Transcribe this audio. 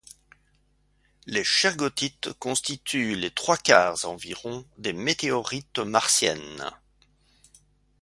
Les shergottites constituent les trois quarts environ des météorites martiennes.